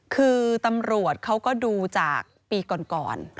คือตำรวจเขาก็ดูจากปีก่อน